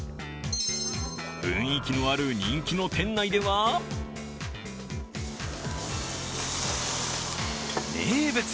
雰囲気のある人気の店内では名物！